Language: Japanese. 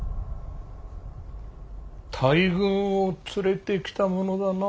大軍を連れてきたものだな。